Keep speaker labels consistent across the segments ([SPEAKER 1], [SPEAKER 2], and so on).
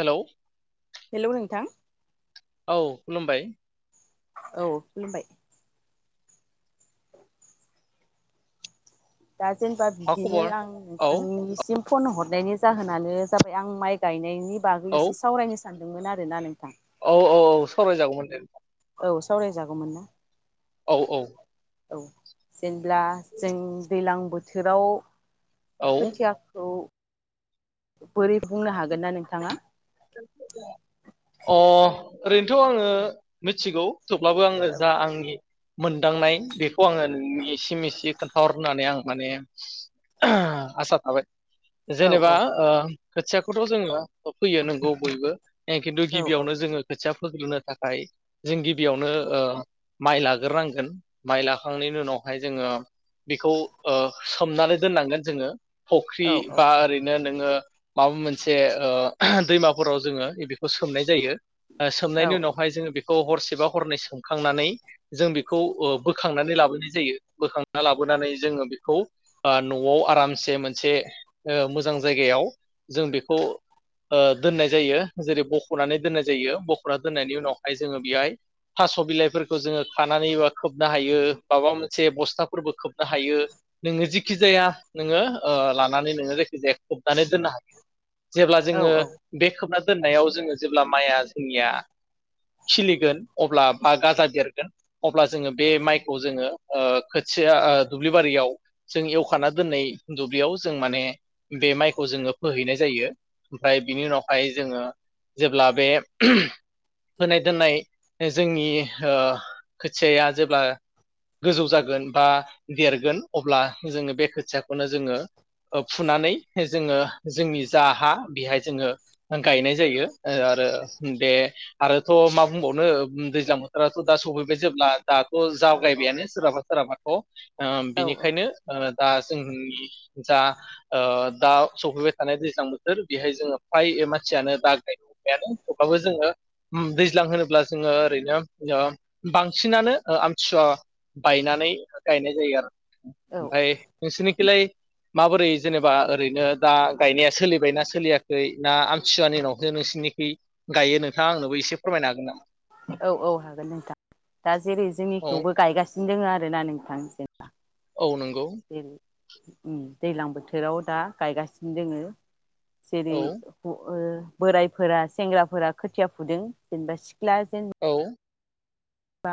[SPEAKER 1] हेल'
[SPEAKER 2] hello नोंथां
[SPEAKER 1] औ खुलुमबाय
[SPEAKER 2] औ खुलुमबाय दा जेनेबा
[SPEAKER 1] मा
[SPEAKER 2] बिदिनो
[SPEAKER 1] खबर
[SPEAKER 2] आं
[SPEAKER 1] औ
[SPEAKER 2] नोंथांनिसिम फन हरनायनि जाहोनानो जाबाय आं माइ गायनायनि बागै
[SPEAKER 1] औ
[SPEAKER 2] एसे सावरायनो सानदोंमोन आरोना नोंथां
[SPEAKER 1] औ औ औ सावरायजागौमोन दे नोंथां
[SPEAKER 2] औ सावरायजागौमोन ना
[SPEAKER 1] औ औ
[SPEAKER 2] औ जेनेब्ला जों दैज्लां बोथोराव
[SPEAKER 1] औ अ
[SPEAKER 2] खोथियाखौ बोरै बुंनो हागोन ना नोंथाङा
[SPEAKER 1] अ ओरैनोथ आङो मिथिगौ थेवब्लाबो आङो
[SPEAKER 2] औ
[SPEAKER 1] जा आंनि मोनदांनाय बेखौ आङो नोंनिसिम इसे एसि खोन्थाहरनो होननानै आं माने आ आसा थाबाय
[SPEAKER 2] औ औ
[SPEAKER 1] जेनेबा ओ खोथियाखौथ जोङो फैयो नों गौ बयबो ए खिन्थु
[SPEAKER 2] औ औ
[SPEAKER 1] गिबियावनो जोङो खोथिया फोग्रोनो थाखाय जों गिबियावनो ओ माइ लाग्रोनांगोन माइ लाखांनायनि उनावहाय जोङो बेखौ ओ सोमनानै दोननांगोन जोङो फख्रि
[SPEAKER 2] औ
[SPEAKER 1] बा ओरैनो जोङो माबा मोनसे ओ ओहो दैमा हराव जोङो एबेखौ सोमनाय जायो
[SPEAKER 2] औ
[SPEAKER 1] सोमनायनि उनावहाय जोङो बेखौ हरसेबा हरनै सोमखांनानै जों बेखौ ओ बोखांनानै लाबोनाय जायो बोखांना लाबोनानै जोङो बेखौ ओ नआव आरामसे मोनसे ओ मोजां जायगायाव जों बेखौ दोननाय जायो जेरै बखनानै दोननाय जायो बखना दोननायनि उनावहाय जोङो बेहाय थास बिलाइफोरखौ जोङो खानानैबा खोबनो हायो माबा मोनसे बस्थाफोरबो खोबनो हायो नोङो जेखि जाया नोङो ओ लानानै नोङो जायखि जाया खोबनानै दोननो हायो। जेब्ला
[SPEAKER 2] औ
[SPEAKER 1] जोङो
[SPEAKER 2] औ
[SPEAKER 1] बे खोबना दोननायाव जोङो जेब्ला माइया जोंनिया खिलिगोन अब्ला बा गाजा बेरगोन अब्ला जोङो बे माइखौ जोङो ओ खोथिया ओ दुब्लि बारियाव जों एवखाना दोननाय दुब्लियाव जों माने बे माइखौ जोङो फोहैनाय जायो ओमफ्राय बिनि उनाव हाय जोङो जेब्ला बे होम होनाय दोननाय जोंनि ओ खोथियाया जेब्ला गोजौ जागोन बा देरगोन अब्ला जोङो बे खोथियाखौनो जोङो ओ फुनानै जोङो जोंनि जा हा बेहाय जोङो गायनाय जायो ओ आरो दे आरोथ मा बुंबावनो दैज्लां बोथोराथ दा सफैबाय जेब्ला दाथ जावगायबायानो सोरहाबा सोरहाबा औ ओ बिनिखायनो ओ दा जोंनि जा ओ दा सफैबाय थानाय दैज्लां बोथोर बेहाय जोङो फ्राय मान मानसियानो बा गायनाय थेवबाबो जोङो ओम दैज्लां होनोब्ला जोङो ओरैनो ओ बांसिनानो ओ आमथिसुवा बायनानै गायनाय जायो आरो
[SPEAKER 2] औ
[SPEAKER 1] बाय नोंसिनिकिलाय माबोरै जेनेबा ओरैनो दा गायनाया सोलिबायना सोलियाखै ना सुवानि उनावसो नोंसिनि खि गायो नोंथाङा आंनोबो एसे फोरमायनो हागोन नामा?
[SPEAKER 2] औ औ हागोन नोंथां दा जेरै
[SPEAKER 1] औ
[SPEAKER 2] जोंनिखौवबो गायगासिन‌ नो दङ आर ना नोंथांनि जेनेबा
[SPEAKER 1] औ नंगौ।
[SPEAKER 2] उम दैज्लां बोथोराव दा गायगासिनो दोङो। जेरै
[SPEAKER 1] औ
[SPEAKER 2] व ओ बोरायफोरा सेंग्राफोरा खोथिया फुदों जेनेबा सि ख्ला जों
[SPEAKER 1] औ
[SPEAKER 2] बा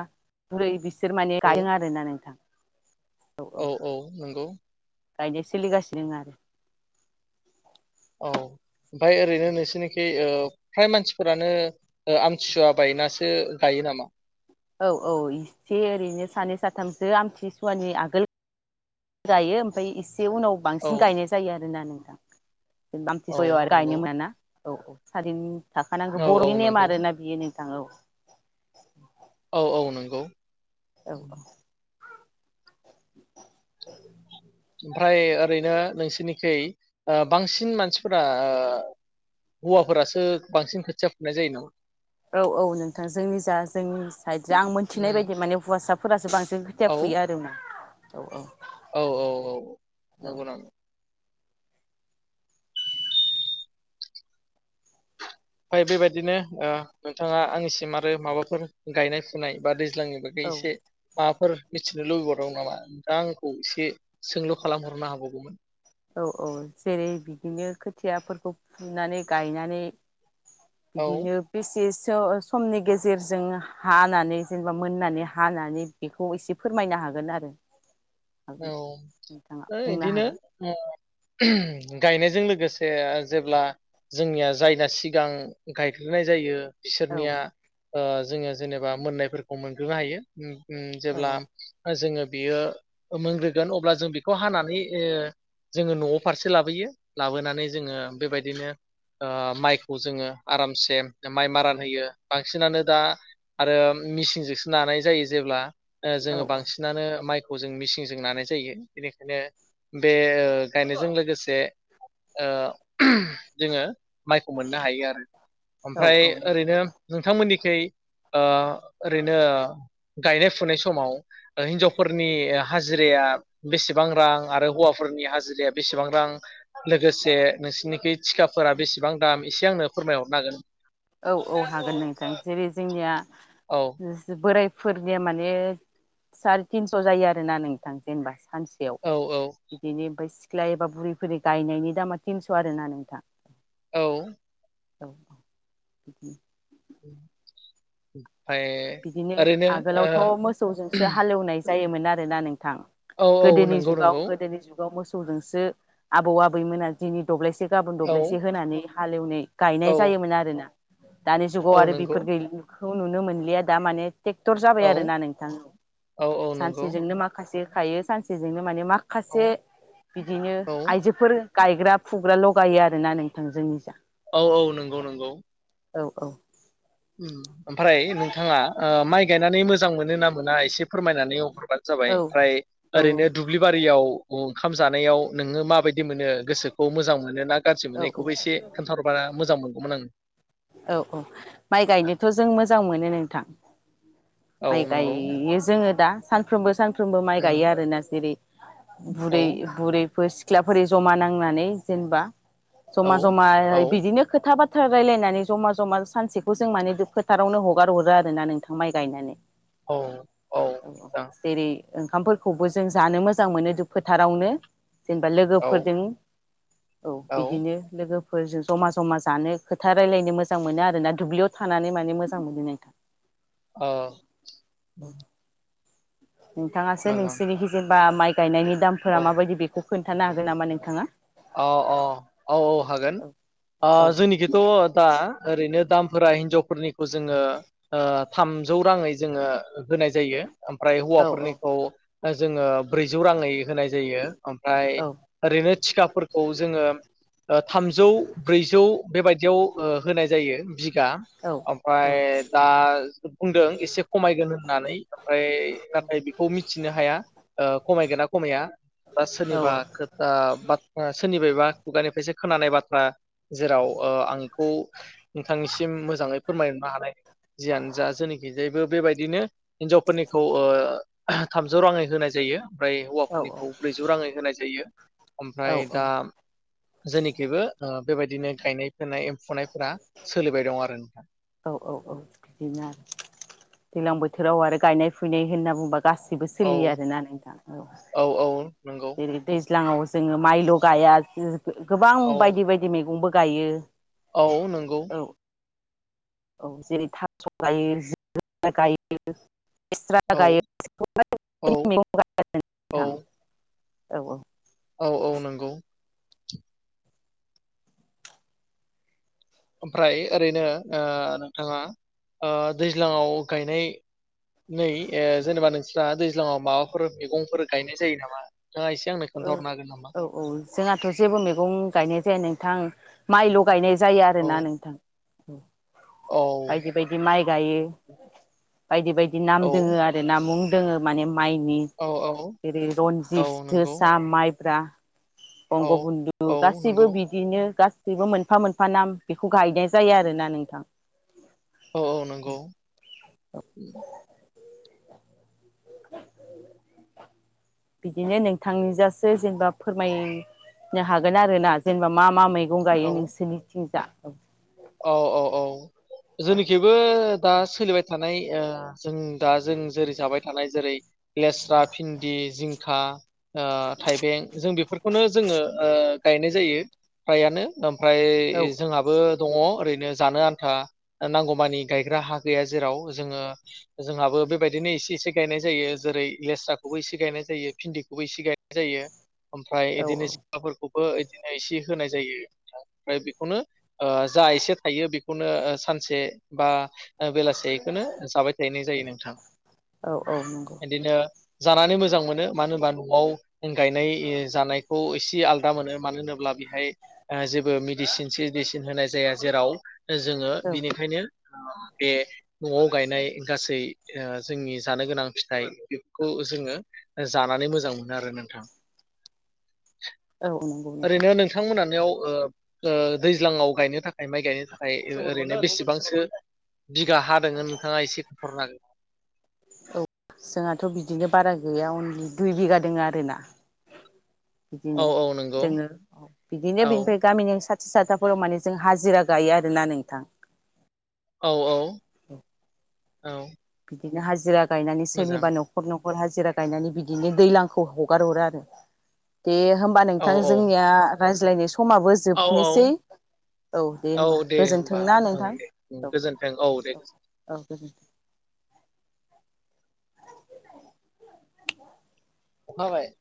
[SPEAKER 2] बुरै बिसि बिसोर माने
[SPEAKER 1] औ
[SPEAKER 2] गायदों आरोना नोंथां।
[SPEAKER 1] औ औ नंगौ।
[SPEAKER 2] गायदो सोलिगासिनो दोङो आरो
[SPEAKER 1] औ ओमफाय ओरैनो नोंसोरनिखि फ्राय मानसिफोरानो आमथिुवा बायनासो गायो नामा।
[SPEAKER 2] औ औ इसे ओरैनो सानै साथामसो आमथिसुवानि आगोल गायो ओमफ्राय एस बे उनाव
[SPEAKER 1] औ
[SPEAKER 2] बांसिन गायनाय जायो आरोना नोथां [inaudible] आमथि
[SPEAKER 1] औ
[SPEAKER 2] सुवायाव आरो
[SPEAKER 1] नंगौ
[SPEAKER 2] गायनो मोना ना। औ औ सारिनि थाखानांगौ
[SPEAKER 1] औ औ
[SPEAKER 2] बरनि नेम
[SPEAKER 1] नंगौ
[SPEAKER 2] आर ना बियो नों थांगौ।
[SPEAKER 1] औ औ नंगौ।
[SPEAKER 2] औ ओ।
[SPEAKER 1] ओमफ्राय ओरैनो नोंसोरनिखै बांसिन मानसिफोरा ओ हौवाफोरासो बांसिन खोथिया फुनाय जायो नामा?
[SPEAKER 2] औ औ नोंथां जोंनि जा जोंनि साइडजों आं मोनथिनाय
[SPEAKER 1] उम
[SPEAKER 2] बायदि माने हुवासा फोरासो बांसिन। जों खोथिया
[SPEAKER 1] औ
[SPEAKER 2] फुयो आरो ना। औ औ।
[SPEAKER 1] औ औ औ नंगौ
[SPEAKER 2] औ
[SPEAKER 1] ओमफ्राय बेबायदिनो ओ नोंथाङा आंनिसिम आरो माबाफोर गायनाय फुनाय बा दै दैज्लाङनि बै एसे माबाफोर मिथिनो लुबै बावदोंंमोन नामा? नोंथाङा आंखौ एसे सोंलु खालामहरनो हाबावगौमोन
[SPEAKER 2] औ औ जेरै-बिदिनो खोथियाफोरखौ फुनानै गायनानै
[SPEAKER 1] औ
[SPEAKER 2] बिदिनो बिसेस होओ सम नि गेजेरजों हानानै जेनेबा मोननानै हानानै बेखौ एसे फोरमायनो हागोन आरो
[SPEAKER 1] औ
[SPEAKER 2] हागोन नोंथाङा
[SPEAKER 1] ओ
[SPEAKER 2] बुंनो
[SPEAKER 1] इदिनो
[SPEAKER 2] हागोन
[SPEAKER 1] गायनायजों लोगोसे जेब्ला जोंनिया जायगा सि यां गायग्रोनाय जायो।
[SPEAKER 2] औ
[SPEAKER 1] बिसोरनिया ओ जोङो जेनेबा मोननायफोरखौ मोनग्रोनो हायो। ओम उम
[SPEAKER 2] औ
[SPEAKER 1] जेब्ला जोङो बेयो ओ मोनग्रोगोन अब्ला जों बेखौ हानानै ओ जोङो न'आव फारसे लाबोयो लाबोनानै जोङो बेबायदिनो माइखौ जोङो आरामसे माइ मारान होयो बांसिनानो दा आरो मिेसिनजोंसो नानाय जायो जेब्ला- ओ जोंङो
[SPEAKER 2] औ
[SPEAKER 1] बांसिनानो माइखौ जों मिसिंजों नानाय जायो बेनिखायनो बे ओ गायनायजों लोगोसे ओ जोङो माइखौ मोननो हायो आरो।
[SPEAKER 2] औ
[SPEAKER 1] ओमफ्राय
[SPEAKER 2] औ नंगौ
[SPEAKER 1] ओरैनो
[SPEAKER 2] नोंथां।
[SPEAKER 1] नोंथांमोननि सै ओ ओरै नो गायनाय फुनाय समाव ओ हिनजावफोरनि या हाजिराया बेसेबां रां आरो हौवाफोरनि हाजिराया बेसेबां रां लोगोसे नोंसोरनिखि थिखाफोरा बेसेबां दाम एसे आंनो फोरमायहरनो हागोन
[SPEAKER 2] औ औ हागोन नोंथां जेरै-जोंनिया
[SPEAKER 1] औ
[SPEAKER 2] नोसो बोराय फोरदेया माने सार थिनस जायो आरोना नोंथां जेनेबा सानसेयाव
[SPEAKER 1] औ औ
[SPEAKER 2] बिदिनो ओमफाय ख्ला एबा बुरि फोरनि गायनायनि दामा थिनस आर ना नोंथां।
[SPEAKER 1] औ
[SPEAKER 2] औ दखनो [inaudible]
[SPEAKER 1] [inaudible]
[SPEAKER 2] बिदिनो
[SPEAKER 1] ओरैनो
[SPEAKER 2] आगोलावथ मोसौजोंसो हालेवनाय जायोमोन आरोना नों थां
[SPEAKER 1] ओ औ औ
[SPEAKER 2] गोदोनि
[SPEAKER 1] नंगौ
[SPEAKER 2] जुगाव
[SPEAKER 1] नंगौ
[SPEAKER 2] गोदोनि जुगाव मोसौ सौजोंसो आबौ आबैमोना दिनै दब्लायसे गाबोन
[SPEAKER 1] औ
[SPEAKER 2] दब्लायसे होनानै हालेवनाय
[SPEAKER 1] औ
[SPEAKER 2] गायनाय जायोमोन आरोना दानि जुगाव
[SPEAKER 1] औ
[SPEAKER 2] आरो
[SPEAKER 1] नंगौ
[SPEAKER 2] बेफोर गैलि खौ नुनो मोनलिया दा माने टेक्टर जाबाय
[SPEAKER 1] औ
[SPEAKER 2] आरोना नोंथां
[SPEAKER 1] औ औ नंगौ
[SPEAKER 2] सानसेजोंनो माखासे हायो सानसेजोंनो माने माख
[SPEAKER 1] औ
[SPEAKER 2] खासे बिदिनो
[SPEAKER 1] औ
[SPEAKER 2] आइजोफोर गायग्रा फुग्रा लगायो आरोना नोंथां जोंनि जा
[SPEAKER 1] औ औ
[SPEAKER 2] औ औ
[SPEAKER 1] ओम ओमफ्राय नोंथाङा ओ माइ गायनानै मोजां मोनो ना मोना एसे फोरमायनानै नो जाबाय
[SPEAKER 2] औ
[SPEAKER 1] ओमफ्राय
[SPEAKER 2] औ
[SPEAKER 1] ओरैनो दुब्लि बारियाव अंखाम जानायाव नोङो माबाय - मोनो गोसोखौ मोजां मोनो ना गाज्रि
[SPEAKER 2] औ
[SPEAKER 1] मोनो एखौबो एसे खोन्थाहरबा मोजां मोनगौमोन आं
[SPEAKER 2] औ औ माइ गायनोथ जों मोजां मोनो नोंथां
[SPEAKER 1] आं
[SPEAKER 2] माइ
[SPEAKER 1] औ नंगौ
[SPEAKER 2] गाय-यो जोङो दा सानफ्रोमबो सानफ्रोम फ्रोमबो माइ गायो
[SPEAKER 1] उम
[SPEAKER 2] आरोना जेरै
[SPEAKER 1] औ
[SPEAKER 2] बुरै बुरै फोर सि ख्लाफोरनि जमानां नांनानै जेनेबा
[SPEAKER 1] औ
[SPEAKER 2] जमा जमा बिदिनो खोथा बाथ थार रायलायनानै जमा जमा सानसेखौ जों माने फोथारावनो हगार हरो आरो ना नोंथां माइ गायनानै
[SPEAKER 1] औ
[SPEAKER 2] औ औ बेरै ओंखामफोरखौबो जों जानो मोजां मोनो फोथारावनो जेनेबा
[SPEAKER 1] औ
[SPEAKER 2] लोगोफोरजों औ बिदिनो लोग गोफोरजों जमा जमा जानो खोथा रायलायनो मोजां मोनो आरोना दुब्लियाव थानानै माने मोजां मोनो नोंथां
[SPEAKER 1] अ
[SPEAKER 2] नोंथाङासो नोंसोरनि गिजेन बा माइ गायनायनि दामफोरा माबायदि बेखौ खोन्थानो हागोन नामा नोंथाङा
[SPEAKER 1] औ औ औ औ हागोन ओ
[SPEAKER 2] औ
[SPEAKER 1] जोंनिखिथ दा ओरैनो दामफोरा हिनजावफोरनिखौ जोङो थामजौ राङै जोङो होनाय जायो। ओमफ्राय
[SPEAKER 2] औ
[SPEAKER 1] हौवाफोरनिखौ। जोङो ब्रैजौ राङै। होनाय जायो ओमफ्राय
[SPEAKER 2] औ
[SPEAKER 1] ओरैनो थिकाब फोरखौ जोङो ओ थामजौ ब्रैजौ बेबायदियाव होनाय जायो दा
[SPEAKER 2] औ
[SPEAKER 1] ओमफ्राय दा बुंदों एसे खमायगोन होननानै ओमफ्राय नाथाय बेखौ मिथिनो हाया ओ खमायगोना खमाया दा
[SPEAKER 2] औ
[SPEAKER 1] सोरनिबा खोथा बाथ सोरनिबायबा खुगानिफ्रायसो खोनानाय बाथ्रा जेराव ओ आं बिखौ नोंथांनिसिम मोजाङै फोरमायनो हानाय जियानो जा जोंनिखिजायबो बेबायदिनो हिनजावफोरनिखौ ओ थामजौ राङै होनाय जायो ओमफ्राय
[SPEAKER 2] औ
[SPEAKER 1] हौवाफोरनिखौ ब्रैजौ राङै होनाय जायो।
[SPEAKER 2] औ
[SPEAKER 1] ओमफ्राय दा जेनिखिबो बेबायदिनो गायनाय फोनाय फुनायफोरा सोलिबाय दं आरो नोंथां।
[SPEAKER 2] औ औ औ बिदिनो आरो दैज्लां बोथोराव आरो गायनाय फुनाय होनना बुंबा गासिबो
[SPEAKER 1] औ
[SPEAKER 2] सोलियो आरोना नोंथां औ
[SPEAKER 1] औ नंगौ
[SPEAKER 2] जेरै दै दैज्लाङाव जोङो माइल गाया गोबां
[SPEAKER 1] औ
[SPEAKER 2] बायदि बायदि मैगंबो गायो।
[SPEAKER 1] औ नंगौ।
[SPEAKER 2] औ औ जेरै थाब [unintelligible]
[SPEAKER 1] औ
[SPEAKER 2] लेस्रा
[SPEAKER 1] औ
[SPEAKER 2] गायो [unintelligible] औ औ।
[SPEAKER 1] औ औ नंगौ। ओमफ्राय ओरैनो ओ नोंथाङा ओ दैज्लाङाव गायनाय नै ओ जेनेबा नोंस्रा दैज्लाङाव माबाफोर मैगंफोर गायनाय जायो नामा? नोंथाङा एसे आंनो
[SPEAKER 2] ओ
[SPEAKER 1] खोन्थाहरनो हागोन नामा?
[SPEAKER 2] औ औ जोंयाथ जेबो मैगं गायनाय जाया नो थां माइ ल गायनाय ज जायो
[SPEAKER 1] औ
[SPEAKER 2] आरोना नोंथां। [inaudible]
[SPEAKER 1] औ
[SPEAKER 2] बायदि बायदि माइ गायो बायदि बायदि नाम
[SPEAKER 1] औ
[SPEAKER 2] दोङो आरो ना मुं जोङो माने [unintelligible] माइनि
[SPEAKER 1] औ औ
[SPEAKER 2] जरै
[SPEAKER 1] औ
[SPEAKER 2] रनजित
[SPEAKER 1] नंगौ
[SPEAKER 2] जोसा माइब ब्रा।
[SPEAKER 1] औ
[SPEAKER 2] अंग बन्धु
[SPEAKER 1] औ
[SPEAKER 2] गासैबो
[SPEAKER 1] नंगौ
[SPEAKER 2] बिदिनो गास बिबो मोनफा मोनफा नाम बेखौ गायनाय जायो आरोना नोंथां।
[SPEAKER 1] औ औ नंगौ
[SPEAKER 2] बिदिनो नोंथांनिजासो जेनेबा फोरमाय नो हागोन आरोना जेनेबा मा मा मै गं गायो
[SPEAKER 1] औ
[SPEAKER 2] नोंसोरनिथिं जा? [unintelligible]
[SPEAKER 1] औ औ औ जोंनिखिबो दा सोलिबाय थानाय ओ जों दा जों जेरै जाबाय थानाय जेरै लेस्रा, भिन्दि, जिंखा ओ थाइबें जों बेफोर खौनो जोङो ओ गायनाय जायो फ्रायानो ओमफ्राय
[SPEAKER 2] औ
[SPEAKER 1] जोंहाबो दङ ओरैनो जानो आन्था नांगौमानि गायग्रा हा गैया जेराव जोङो जोंहाबो बेबायदिनो एसे एसे गायनाय जायो जेरै लेस्राखौबो एसे गायनाय जायो भिन्दिखौबो एसे गायनाय जायो। ओमफ्राय इदिनो जिंखा फोरखौ बो इदिनो एसे होनाय जायो नोंथां ओमफ्राय बेखौनो ओ जा एसे थायो बेखौनो ओ सानसे बा ओ बेलासे इखोनो जाबाय थाहैनाय जायो नोंथां।
[SPEAKER 2] औ औ नंगौ
[SPEAKER 1] इदिनो जानानै मोजां मोनो मानो होनबा नआव गायनाय जानायखौ एसे आलदा मोनो मानो होनोब्ला बिहाय जेबो मेडिसिन सिडि सिन होनाय जाया जेराव जोङो
[SPEAKER 2] औ
[SPEAKER 1] बिनिखायनो बे नआव गायनाय गासै ओ जोंनि जानो गोनां फिथाइ बेफोरखौ जोङो जानानै मोजां मोनो आरो नोंथां।
[SPEAKER 2] औ नंगौ नोंथां
[SPEAKER 1] ओरैनो नोंथांमोना याव ओ ओ दै ज्लाङाव गायनो थाखाय माइ गायनो थाखाय ओरैनो बेसेबांसो बिगा हा दोङो नोंथाङा एसे [unintelligible] हागोन।
[SPEAKER 2] जोंहाथ' बिदिनो बारा गैया अनलि दुइ बिघा दोङो आरोना।
[SPEAKER 1] औ
[SPEAKER 2] बिदिनो
[SPEAKER 1] औ नंगौ
[SPEAKER 2] जोङो बिदिनो
[SPEAKER 1] औ
[SPEAKER 2] बेनिफ्राय गामिनि स साथाफोराव माने जों हाजिरा गायो आरोना नोंथां।
[SPEAKER 1] औ औ औ
[SPEAKER 2] बिदिनो हाजिरा गायनानै
[SPEAKER 1] मोजां
[SPEAKER 2] सोरनिबा नखर नखर ख'र हाजिरा गायनानै बिदिनो दैलांखौ हगार हरा आरो। दे होमबा
[SPEAKER 1] औ
[SPEAKER 2] नोंथां
[SPEAKER 1] औ
[SPEAKER 2] जोंनिया रायज्लायनो समाबो
[SPEAKER 1] औ
[SPEAKER 2] जोबनोसै
[SPEAKER 1] औ
[SPEAKER 2] औ दे होमबा
[SPEAKER 1] होमबा
[SPEAKER 2] गोजोनथोंना
[SPEAKER 1] औ
[SPEAKER 2] नोंथां
[SPEAKER 1] दे
[SPEAKER 2] औ
[SPEAKER 1] गोजोन्थों दे
[SPEAKER 2] औ औ
[SPEAKER 1] अखाहाबाय